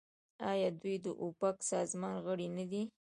آیا دوی د اوپک سازمان غړي نه دي؟